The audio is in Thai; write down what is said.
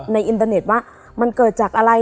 อินเตอร์เน็ตว่ามันเกิดจากอะไร